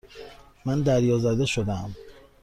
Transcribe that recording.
من دریازده شدهام.